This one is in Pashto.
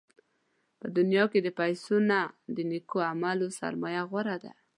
په دنیا کې د پیسو نه، د نېکو عملونو سرمایه غوره ده.